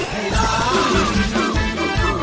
ร้องได้ให้ร้อง